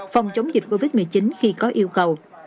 phòng chống dịch covid một mươi chín khi có yêu cầu